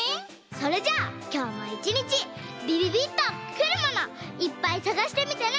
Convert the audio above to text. それじゃあきょうもいちにちびびびっとくるものいっぱいさがしてみてね。